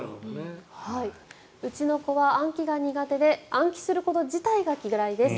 うちの子は暗記が苦手で暗記すること自体が嫌いです。